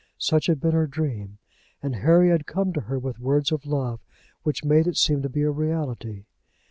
Such had been her dream, and Harry had come to her with words of love which made it seem to be a reality.